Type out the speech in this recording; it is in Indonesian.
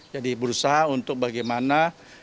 jadi berusaha untuk bagaimana